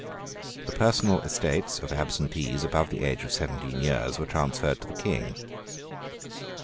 The personal estates of absentees above the age of seventeen years were transferred to the King.